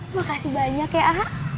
makasih banyak ya ah